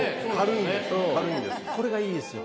これがいいですわ。